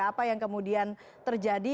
apa yang kemudian terjadi